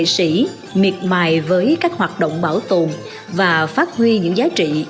xin chào và hẹn gặp lại